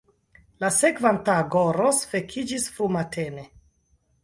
La sekvan tagon Ros vekiĝis frumatene.